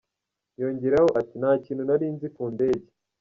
Yongeraho ati “Nta kintu nari nzi ku ndege.